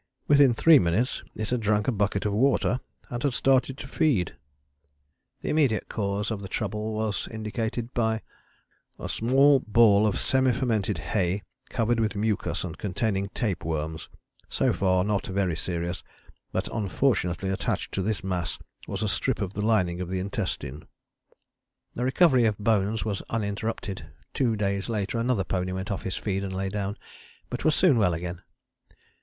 Within three minutes it had drunk a bucket of water and had started to feed." The immediate cause of the trouble was indicated by "a small ball of semi fermented hay covered with mucus and containing tape worms; so far not very serious, but unfortunately attached to this mass was a strip of the lining of the intestine." The recovery of Bones was uninterrupted. Two day later another pony went off his feed and lay down, but was soon well again.